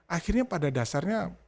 akhirnya pada dasarnya